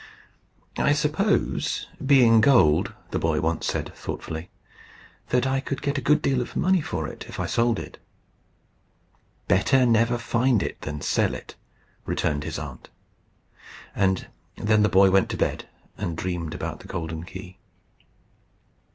"I suppose, being gold," the boy once said, thoughtfully, "that I could get a good deal of money for it if I sold it." "Better never find it than sell it," returned his aunt. And then the boy went to bed and dreamed about the golden key.